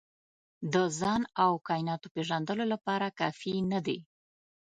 د ځان او کایناتو پېژندلو لپاره کافي نه دي.